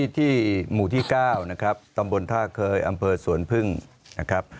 ที่หมู่ที่๙นะครับตำบลท่าเคยอำเภอสวนพึ่งนะครับ